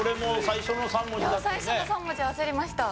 最初の３文字焦りました。